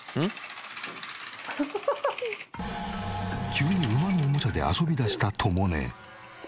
急に馬のおもちゃで遊びだしたとも姉。